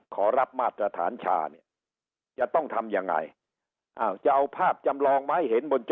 ขอรับมาตรสถานชาเนี่ยจะต้องทำยังไง